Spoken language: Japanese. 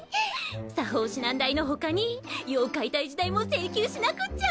作法指南代の他に妖怪退治代も請求しなくっちゃ。